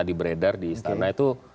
di beredar di istana itu